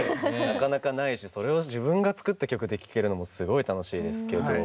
なかなかないしそれを自分が作った曲で聴けるのもすごい楽しいですけど。